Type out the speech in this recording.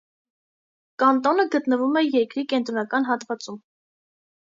Կանտոնը գտնվում է երկրի կենտրոնական հատվածում։